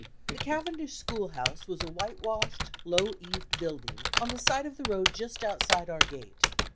The Cavendish school house was a white washed, low eaved building on the side of the road just outside our gate.